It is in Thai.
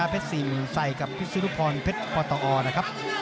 พี่ใส่กับพี่ศิรุพรเพชรพอตออร์นะครับ